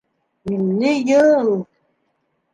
Илле йыл!